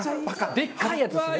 でっかいやつですよね。